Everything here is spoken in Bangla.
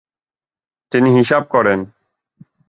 তিনি হিসাব করেন।